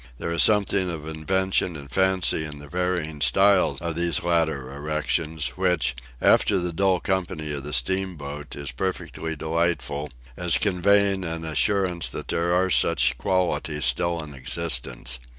There is something of invention and fancy in the varying styles of these latter erections, which, after the dull company of the steamboat, is perfectly delightful, as conveying an assurance that there are such qualities still in existence.